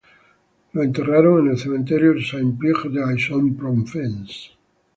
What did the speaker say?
Fue enterrado en el Cementerio Saint-Pierre de Aix-en-Provence.